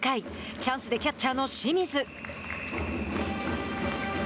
チャンスでキャッチャーの清水。